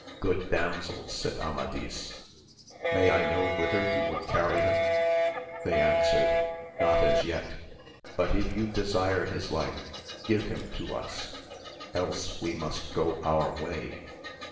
Good damsels, said Amadis, may I know whither you would carry him 1 . They answered, Not as yet ; but if you desire his life give him to us ; else we must go our way.